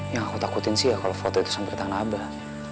yang aku takutin sih ya kalau foto itu sampai ke tanah abang